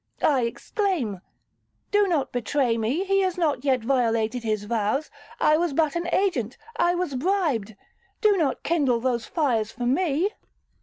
I exclaim, 'Do not betray me, he has not yet violated his vows, I was but an agent,—I was bribed,—do not kindle those fires for me.'